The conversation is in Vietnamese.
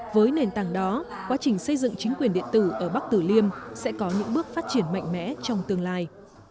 với nền tảng đó quá trình xây dựng chính quyền điện tử ở bắc tử liêm sẽ có những bước phát triển mạnh mẽ trong tương lai